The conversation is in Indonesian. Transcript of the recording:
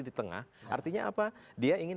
di tengah artinya apa dia ingin